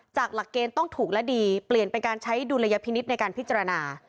หลักเกณฑ์ต้องถูกและดีเปลี่ยนเป็นการใช้ดุลยพินิษฐ์ในการพิจารณา